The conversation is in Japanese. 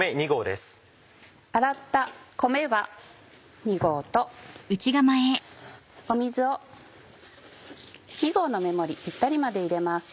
洗った米は２合と水を２合の目盛りピッタリまで入れます。